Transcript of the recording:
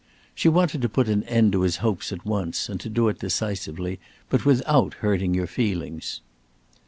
She wanted to put an end to his hopes at once and to do it decisively, but without hurting his feelings.